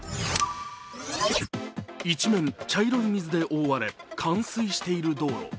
一面、茶色い水で覆われ冠水している道路。